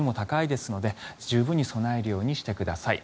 波も高いので十分に備えるようにしてください。